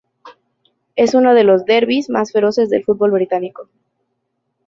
Es uno de los derbis más feroces del fútbol británico.